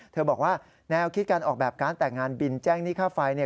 บอกว่าแนวคิดการออกแบบการแต่งงานบินแจ้งหนี้ค่าไฟเนี่ย